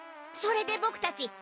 それでボクたち